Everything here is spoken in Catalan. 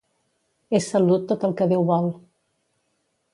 És salut tot el que Déu vol.